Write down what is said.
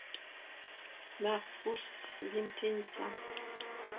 Maɣef ur as-teslimt i netta?